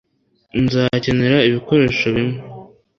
nzakenera ibikoresho bimwe